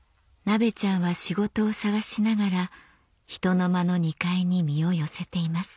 ナベちゃんは仕事を探しながらひとのまの２階に身を寄せています